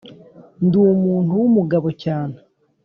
ndumuntu wumugabo cyane